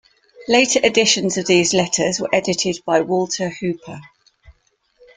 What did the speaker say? Later editions of these letters were edited by Walter Hooper.